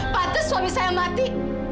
pantas suami saya mati